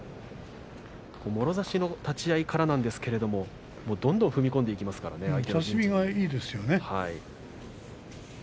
もろ差しの立ち合いからなんですけれどもどんどん踏み込んでいきますからね。